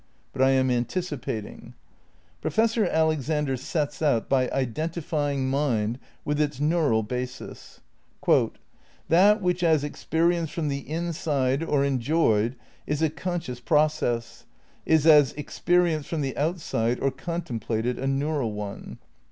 But I am anticipating. Professor Alexander sets out by identifying mind with its neural basis. "That which as experienced from the inside or enjoyed is a conscious process, is as experienced from the outside or contemplated a neural one."